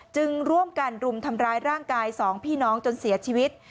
จึงร่วมกันรุมทำร้ายร่างกายสองพี่น้องจนเสียชีวิต